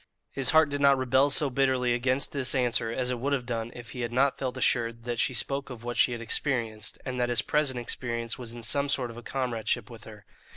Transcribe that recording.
His heart did not rebel so bitterly against this answer as it would have done if he had not felt assured that she spoke of what she had experienced, and that his present experience was in some sort a comradeship with her.